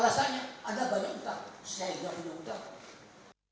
alasannya ada banyak utang saya juga punya utang